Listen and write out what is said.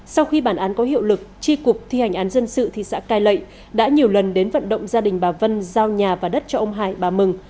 sau khi bản án có hiệu lực tri cục thi hành án dân sự thị xã cai lệ đã nhiều lần đến vận động gia đình bà vân giao nhà và đất cho ông hải bà mừng